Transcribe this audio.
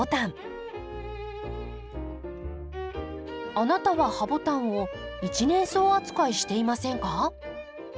あなたはハボタンを一年草扱いしていませんか？